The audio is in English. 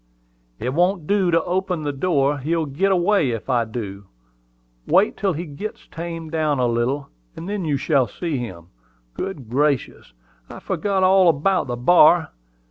"It won't do to open the door: he'll git away if I do. Wait till he gits tamed down a little, and then you shall see him. Good gracious! I forgot all about the bar!